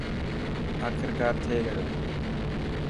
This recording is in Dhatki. آخرڪار ٿي گيو.